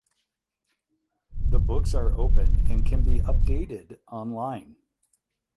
The books are open and can be updated online.